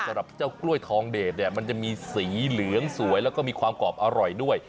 สำหรับเจ้ากล้วยทองเดชเนี่ยมันจะมีสีเหลืองสวยแล้วก็มีความกรอบอร่อยด้วย